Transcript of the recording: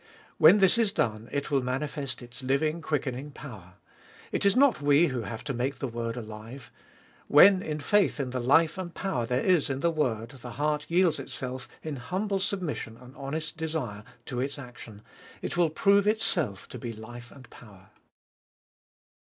When this is done it will manifest its living, quickening power. It is not we who have to make the word alive. When, in faith in the life and power there is in the word, the heart yields itself in humble submission and honest desire to its action, it will prove itself to be life and power.